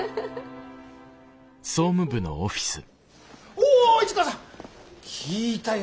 お市川さん聞いたよ